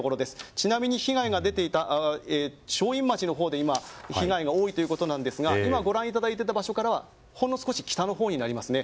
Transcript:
ちなみに被害が出ていた正院町のほうで被害が多いということですが今ご覧いただいていた場所からはほんの少し北になりますね。